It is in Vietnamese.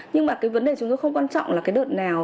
nhưng mà cái vấn đề chúng tôi không quan trọng là cái đợt nào